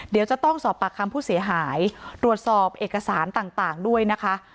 เดี๋ยวจะต้องสอบปากคำผู้เสียหายตรวจสอบเอกสารต่างด้วยนะคะ